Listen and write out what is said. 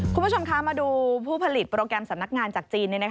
คุณผู้ชมคะมาดูผู้ผลิตโปรแกรมสำนักงานจากจีน